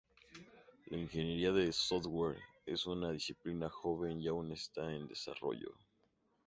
La ingeniería de software es una disciplina joven y aún está en desarrollo.